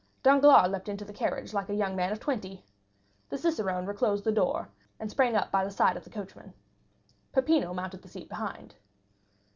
Danglars leaped into the carriage like a young man of twenty. The cicerone reclosed the door, and sprang up by the side of the coachman. Peppino mounted the seat behind.